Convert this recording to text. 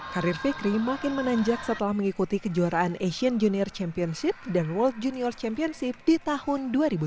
karir fikri makin menanjak setelah mengikuti kejuaraan asian junior championship dan world junior championship di tahun dua ribu tujuh belas